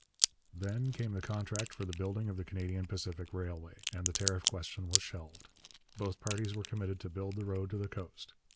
Then came the contract for the building of the Canadian Pacific Railway, and the tariff question was shelved. Both parties were committed to build the road to the coast.